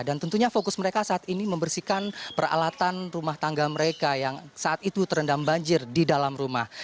dan tentunya fokus mereka saat ini membersihkan peralatan rumah tangga mereka yang saat itu terendam banjir di dalam rumah